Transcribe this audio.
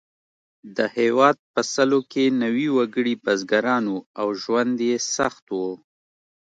د هېواد په سلو کې نوي وګړي بزګران وو او ژوند یې سخت و.